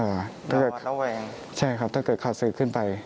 ระวังและแวงใช่ครับถ้าเกิดขาดศึกขึ้นไป